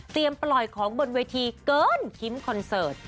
ปล่อยของบนเวทีเกินคิ้มคอนเสิร์ต